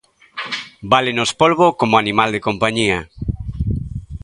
Válenos polbo como animal de compañía.